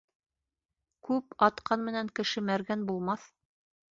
Күп атҡан менән кеше мәргән булмаҫ.